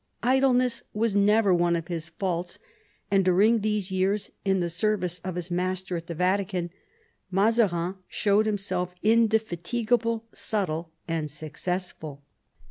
Idleness was never one of his faults, and during these years in the service of his master at the Vatican Mazarin showed himself indefatigable, subtle, and successful.